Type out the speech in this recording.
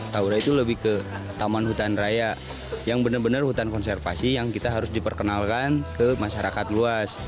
taura itu lebih ke taman hutan raya yang benar benar hutan konservasi yang kita harus diperkenalkan ke masyarakat luas